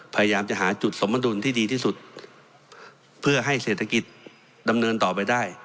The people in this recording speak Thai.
พยายามจะหาจุดสมดุลที่ดีที่สุดเพื่อให้เศรษฐกิจดำเนินต่อไปได้